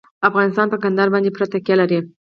افغانستان په کندهار باندې پوره تکیه لري.